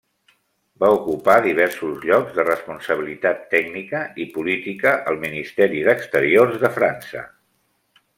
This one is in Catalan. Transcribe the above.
Va ocupar diversos llocs de responsabilitat tècnica i política al Ministeri d'Exteriors de França.